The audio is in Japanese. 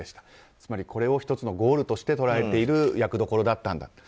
つまりこれを１つのゴールとして捉えている役どころだったんだと。